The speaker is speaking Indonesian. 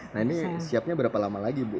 nah ini siapnya berapa lama lagi bu